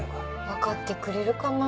わかってくれるかな？